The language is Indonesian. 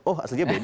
oh aslinya beda